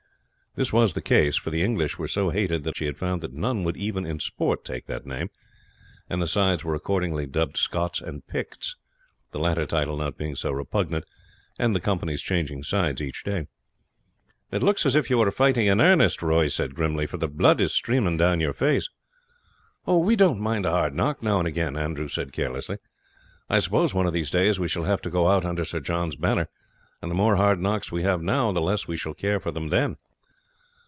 This was the case, for the English were so hated that Archie had found that none would even in sport take that name, and the sides were accordingly dubbed Scots and Picts, the latter title not being so repugnant, and the companies changing sides each day. "It looks as if you were fighting in earnest," Roy said grimly, "for the blood is streaming down your face." "Oh, we don't mind a hard knock now and again," Andrew said carelessly. "I suppose, one of these days, we shall have to go out under Sir John's banner, and the more hard knocks we have now, the less we shall care for them then."